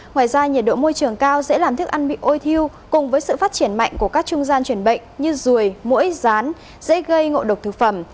ngoài ra nhiệt độ môi trường cao dễ làm thức ăn bị ôi thiêu cùng với sự phát triển mạnh của các trung gian chuyển bệnh như ruồi mũi rán dễ gây ngộ độc thực phẩm